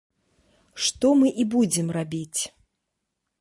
Што мы і будзем рабіць.